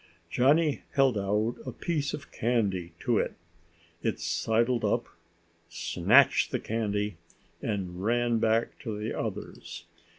Johnny held out a piece of candy to it. It sidled up, snatched the candy, and ran back to the others.